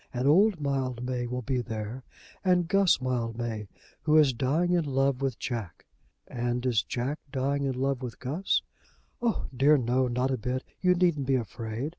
And old Mildmay will be there, and Guss Mildmay, who is dying in love with Jack." "And is Jack dying in love with Guss?" "Oh! dear no; not a bit. You needn't be afraid.